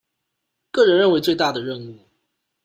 個人認為最大的任務